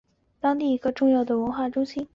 是当地的一个重要的文化中心。